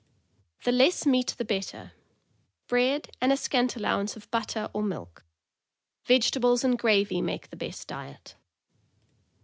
The less meat the better; bread, and a scant allowance of butter or milk; vegetables and gravy make the best diet.